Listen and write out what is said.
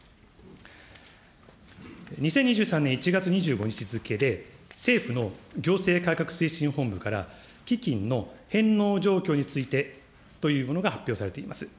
２０２３年１月２５日付で、政府の行政改革推進本部から、基金の返納状況についてというものが発表されています。